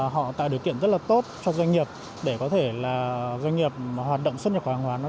họ tạo điều kiện rất tốt cho doanh nghiệp để doanh nghiệp hoạt động xuất nhập khẩu tăng mạnh